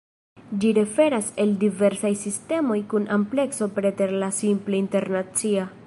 Ĝi referas al diversaj sistemoj kun amplekso preter la simple internacia.